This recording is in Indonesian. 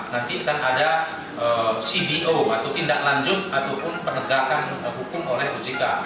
nanti akan ada cpo atau tindak lanjut ataupun penegakan hukum oleh ojk